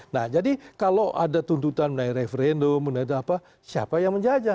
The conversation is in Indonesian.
nah jadi kalau ada tuntutan mengenai referendum mengenai apa siapa yang menjajah